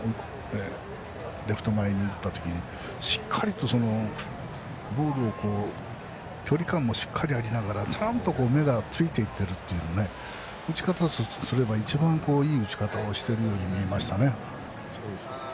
レフト前に打った時にしっかりとボールを距離感もしっかりありながら目がちゃんとついていってるという打ち方とすれば一番いい打ち方をしているように見えましたね。